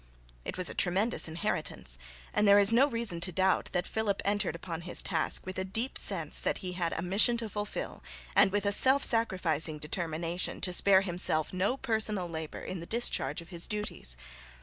It was a tremendous inheritance, and there is no reason to doubt that Philip entered upon his task with a deep sense that he had a mission to fulfil and with a self sacrificing determination to spare himself no personal labour in the discharge of his duties.